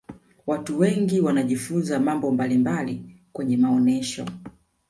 watu wengi wanajifunza mambo mbalimbali kwenye maonesho